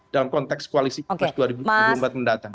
dalam konteks koalisi pirpres dua ribu empat belas mendatang